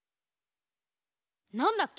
なんだっけ？